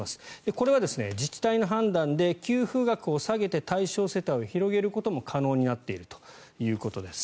これは自治体の判断で給付額を下げて対象世帯を広げることも可能になっているということです。